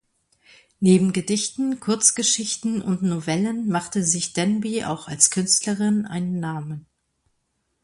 Neben Gedichten, Kurzgeschichten und Novellen machte sich Denby auch als Künstlerin einen Namen.